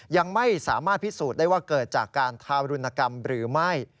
ยังไม่สามารถพิสูจน์ได้ว่าเกิดจากการทารุณกรรมหรือไม่